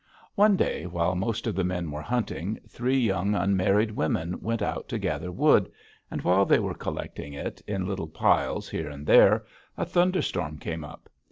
"One day, while most of the men were hunting, three young, unmarried women went out to gather wood, and while they were collecting it in little piles here and there, a thunderstorm came up.